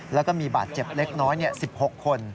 แล้วก็มีบาดเจ็บเล็กน้อย๑๖คน